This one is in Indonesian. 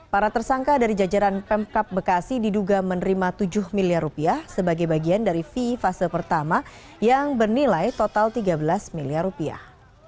para tersangka dari jajaran pemkap bekasi diduga menerima tujuh miliar rupiah sebagai bagian dari fee fase pertama yang bernilai total tiga belas miliar rupiah